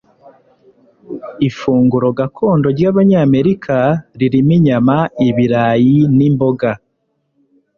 ifunguro gakondo ryabanyamerika ririmo inyama, ibirayi nimboga